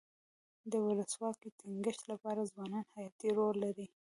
د ولسواکۍ د ټینګښت لپاره ځوانان حیاتي رول لري.